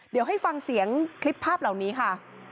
เดี๋ยวให้ฟังเสียงคลิปภาพเหล่านี้ค่ะ